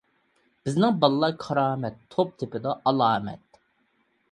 بىزنىڭ باللا كارامەت، توپ تېپىدۇ ئالامەت.